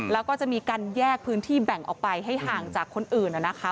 แล้วก็จะมีการแยกพื้นที่แบ่งออกไปให้ห่างจากคนอื่นนะคะ